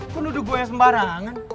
kok nuduh gue yang sembarangan